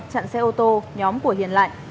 chặn xe ô tô nhóm của hiền lại